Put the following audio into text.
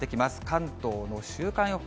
関東の週間予報。